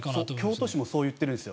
京都市もそういってるんです。